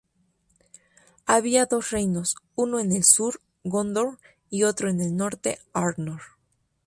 Había dos reinos, uno en el Sur: Gondor y otro en el Norte: Arnor.